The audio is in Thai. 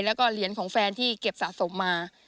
แล้วก็เหรียญของแฟนที่เก็บสะสมมา